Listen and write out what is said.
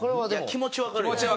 気持ちはわかる。